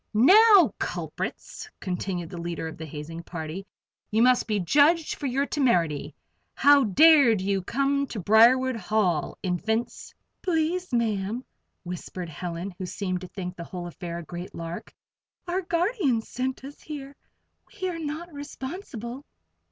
"Now, culprits!" continued the leader of the hazing party, "you must be judged for your temerity. How dared you come to Briarwood Hall, Infants?" "Please, Ma'am," whispered Helen, who seemed to think the whole affair a great lark, "our guardians sent us here. We are not responsible."